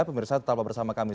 pemirsa tetap bersama kami